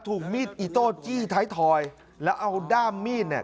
ถูกมีดอิโต้จี้ท้ายทอยแล้วเอาด้ามมีดเนี่ย